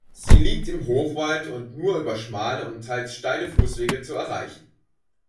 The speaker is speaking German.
Sie liegt im Hochwald, und nur über schmale und teils steile Fußwege zu erreichen.